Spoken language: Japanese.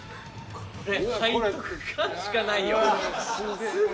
これ背徳感しかないよすげ！